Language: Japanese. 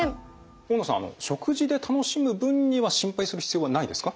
大野さん食事で楽しむ分には心配する必要はないですか？